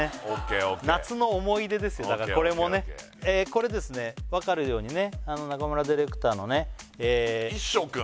これですねわかるようにね中村ディレクターのねいっしょうくん？